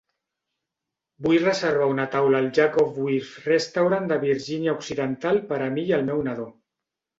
Vull reservar una taula al Jacob Wirth Restaurant de Virgínia Occidental per a mi i el meu nadó.